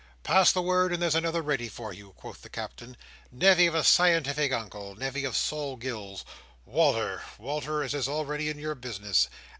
"Pass the word, and there's another ready for you," quoth the Captain. "Nevy of a scientific Uncle! Nevy of Sol Gills! Wal"r! Wal"r, as is already in your business!